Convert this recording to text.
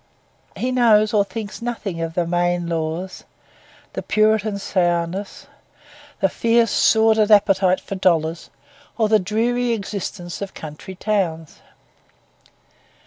He knows or thinks nothing of the Maine Laws, the Puritan sourness, the fierce, sordid appetite for dollars, or the dreary existence of country towns.